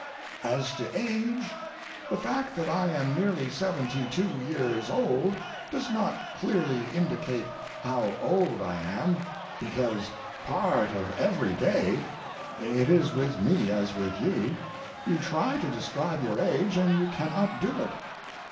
As to age, the fact that I am nearly seventy two years old does not clearly indicate how old I am, because part of every day—it is with me as with you, you try to describe your age, and you cannot do it.